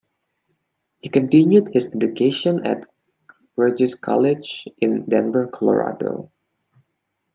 He continued his education at Regis College in Denver, Colorado.